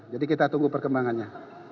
jadi kita tunggu perkembangannya